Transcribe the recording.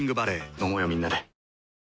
飲もうよみんなで。